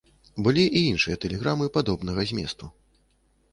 Былі і іншыя тэлеграмы падобнага зместу.